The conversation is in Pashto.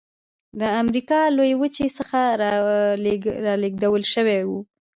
د امریکا لویې وچې څخه رالېږدول شوي وو.